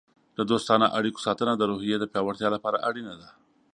د دوستانه اړیکو ساتنه د روحیې د پیاوړتیا لپاره اړینه ده.